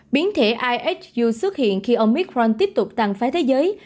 biến thể ihu xuất hiện khi omicron tiếp tục tăng phái thế giới